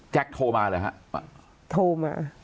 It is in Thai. แจ๊กโทรมาหรือฮะโทรมา